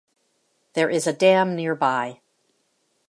There is a dam near by.